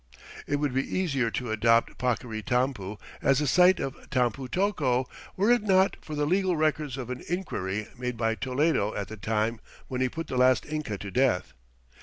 It would be easier to adopt Paccaritampu as the site of Tampu tocco were it not for the legal records of an inquiry made by Toledo at the time when he put the last Inca to death.